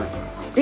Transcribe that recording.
え？